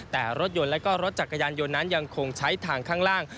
แต่รถยนต์และก็รถจักรยานยนต์นั้นยังคงใช้ทางข้างล่าง